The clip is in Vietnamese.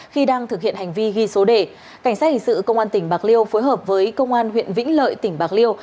khi đang thực hiện hành vi ghi số đề cảnh sát hình sự công an tỉnh bạc liêu phối hợp với công an huyện vĩnh lợi tỉnh bạc liêu